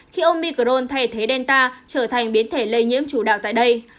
khi omicron thay thế delta trở thành biến thể lây nhiễm chủ đạo tại đây